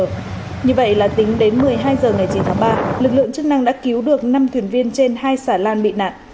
như vậy là tính đến một mươi hai h ngày chín tháng ba lực lượng chức năng đã cứu được năm thuyền viên trên hai xà lan bị nạn